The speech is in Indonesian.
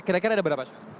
kira kira ada berapa